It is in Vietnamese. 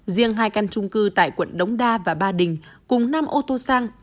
riêng hai căn trung cư tại quận đống đa và ba đình cùng năm ô tô sang